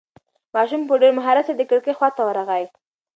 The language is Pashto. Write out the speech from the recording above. ماشوم په ډېر مهارت سره د کړکۍ خواته ورغی.